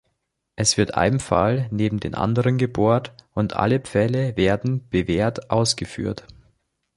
Es wird ein Pfahl neben den anderen gebohrt, und alle Pfähle werden bewehrt ausgeführt.